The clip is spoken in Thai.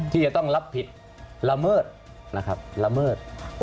ที่จะต้องรับผิดละเมิดนะครับละเมิด